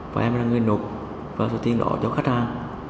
và em là người nộp và số tiền đó cho khách hàng